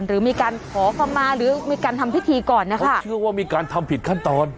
หรือมีการขอคำมาหรือมีการทำพิธีก่อนนะคะเชื่อว่ามีการทำผิดขั้นตอน